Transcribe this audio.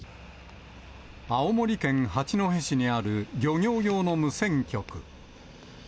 青森県八戸市にある漁業用の無線局。